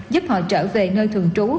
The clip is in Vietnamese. giúp họ trở về nơi thường trú